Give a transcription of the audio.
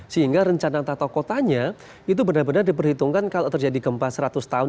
sehingga rencana tata kotanya itu benar benar diperhitungkan kalau terjadi gempa seratus tahun